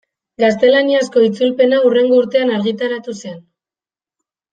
Gaztelaniazko itzulpena hurrengo urtean argitaratu zen.